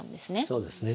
そうですね。